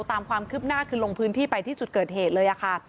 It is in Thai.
ตามความคืบหน้าคือลงพื้นที่ไปที่จุดเกิดเหตุเลยค่ะ